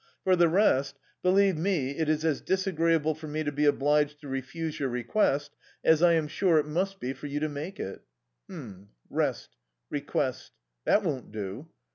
For the rest, believe me it is as disagreeable for me to be obliged to refuse your request as I am sure it must be for you to make it ' "H'm. Rest request. That won't do.